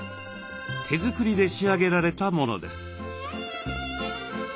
手作りで仕上げられたものです。